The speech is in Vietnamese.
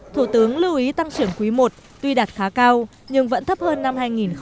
thủ tướng lưu ý tăng trưởng quý i tuy đạt khá cao nhưng vẫn thấp hơn năm hai nghìn một mươi tám